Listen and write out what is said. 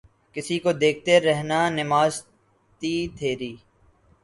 کسی کو دیکھتے رہنا نماز تھی تیری